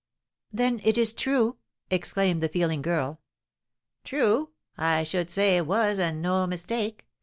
"Then it is true!" exclaimed the feeling girl. "True? I should say it was and no mistake!